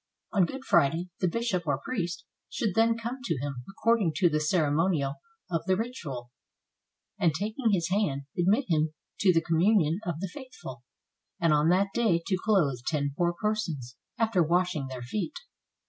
On Good Friday the bishop or priest should then come to him according to the ceremonial of the ritual, and taking his hand, admit him to the communion of the faithful, and on that day to clothe ten poor persons, after washing their feet.